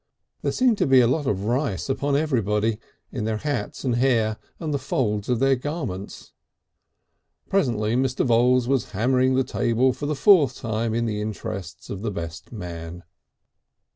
There seemed a lot of rice upon everybody, in their hats and hair and the folds of their garments. Presently Mr. Voules was hammering the table for the fourth time in the interests of the Best Man....